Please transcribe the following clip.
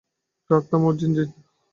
Truck থামাও, জিন, জিন।